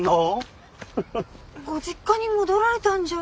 ご実家に戻られたんじゃ。